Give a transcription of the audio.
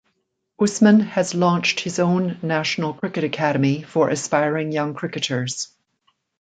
Usman has launched his own national cricket academy for aspiring young cricketers.